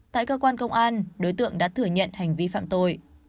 tại cơ quan công an đối tượng đã thừa nhận hành vi phạm tội